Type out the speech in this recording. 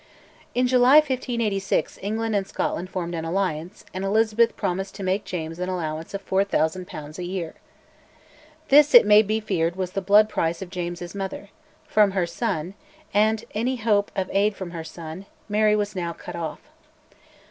In July 1586 England and Scotland formed an alliance, and Elizabeth promised to make James an allowance of 4000 pounds a year. This, it may be feared, was the blood price of James's mother: from her son, and any hope of aid from her son, Mary was now cut off.